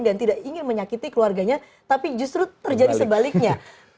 dan tidak ingin menyakiti keluarganya tapi justru terjadi sebaliknya